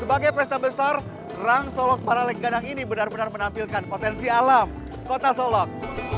sebagai pesta besar rang solok paraleg gandang ini benar benar menampilkan potensi alam kota solok